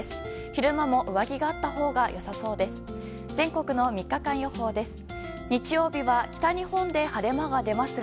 昼間も上着があったほうが良さそうです。